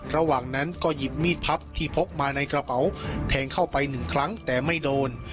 ระหว่างนั้นก็หยิบมีดพับที่พกมาในกระเป๋าแทงเข้าไปหนึ่งครั้งแต่ไม่โดน